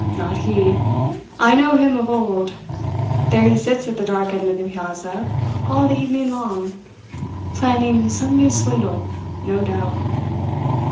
Not he. I know him of old. There he sits at the dark end of the piazza, all the evening long planning some new swindle, no doubt.